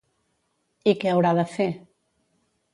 I què haurà de fer?